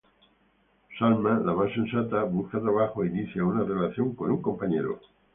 Salma, la más sensata, busca trabajo e inicia una relación con un compañero.